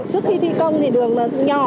trước khi thi công thì đường nó nhỏ